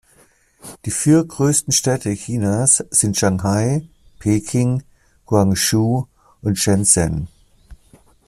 Die vier größten Städte Chinas sind Shanghai, Peking, Guangzhou und Shenzhen.